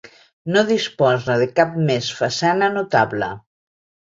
No disposa de cap més façana notable.